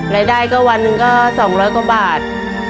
รายได้ก็วันหนึ่งก็ไม้คายแบท